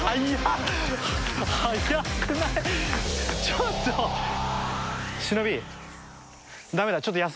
ちょっと忍。